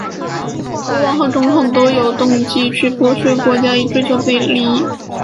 国王和总统都有动机会去剥削国家以追求自己的利益。